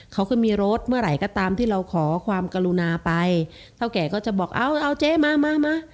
เขาก็มีรถเมื่อไหร่ก็ตามที่เราขอความกรุณาไปเท่าแก่ก็จะบอกเอาเอาเจ๊มามา